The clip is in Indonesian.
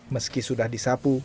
meski sudah disapu